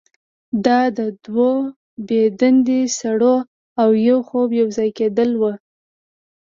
دا د دوه بې دندې سړو او یو خوب یوځای کیدل وو